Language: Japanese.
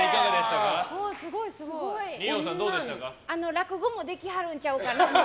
落語もできはるんちゃうかな。